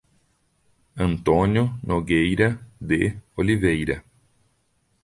Antônio Nogueira de Oliveira